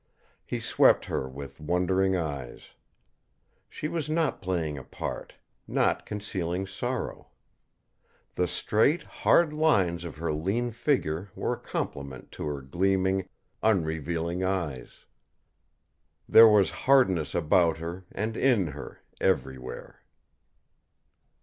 He swept her with wondering eyes. She was not playing a part, not concealing sorrow. The straight, hard lines of her lean figure were a complement to her gleaming, unrevealing eyes. There was hardness about her, and in her, everywhere.